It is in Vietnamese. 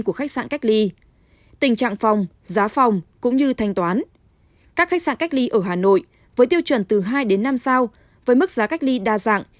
các khách sạn cách ly ở hà nội với tiêu chuẩn từ hai năm sao với mức giá cách ly đa dạng